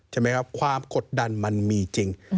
ใช่ไหมครับความกดดันมันมีจริง